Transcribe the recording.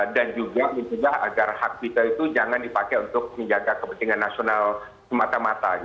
dan juga agar hak kita itu jangan dipakai untuk menjaga kepentingan nasional semata mata